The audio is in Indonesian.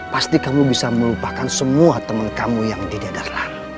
pasti kamu bisa melupakan semua teman kamu yang didadarlah